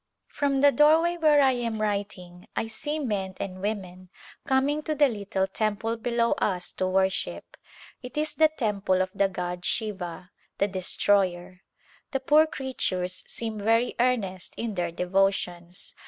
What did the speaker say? From the doorway where I am writing I see men and women coming to the little temple below us to worship. It is the temple of the god Siva, the Destroyer. The poor creatures seem very earnest in their devotions.